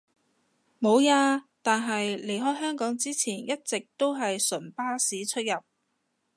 無呀，但係離開香港之前一直都係純巴士出入